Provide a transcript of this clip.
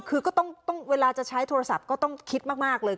คือก็ต้องเวลาจะใช้โทรศัพท์ก็ต้องคิดมากเลย